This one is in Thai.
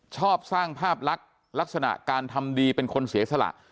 ชอบสร้างภาพลักษณ์ลักษณะการทำดีเป็นคนเสียสละ